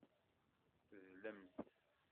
Tedlemt.